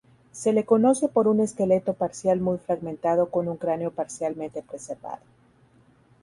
Se le conoce por un esqueleto parcial muy fragmentado con un cráneo parcialmente preservado.